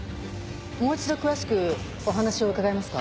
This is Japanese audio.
もう一度詳しくお話を伺えますか？